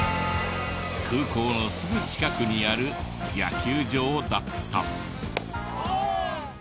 空港のすぐ近くにある野球場だった。